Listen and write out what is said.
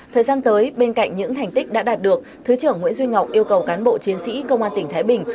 thời gian tới bên cạnh những thành tích đã đạt được thứ trưởng nguyễn duy ngọc yêu cầu cán bộ chiến sĩ công an tỉnh thái bình